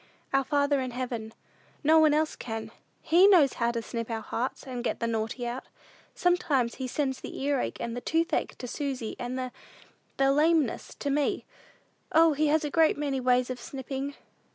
"Our Father in heaven. No one else can. He knows how to snip our hearts, and get the naughty out. Sometimes he sends the earache and the toothache to Susy, and the the lameness to me. O, he has a great many ways of snipping!"